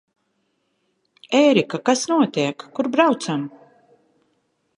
Ērika, kas notiek? Kur braucam?